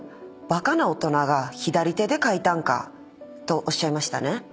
バカな大人が左手で描いたんか」とおっしゃいましたね。